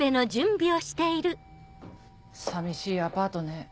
寂しいアパートね。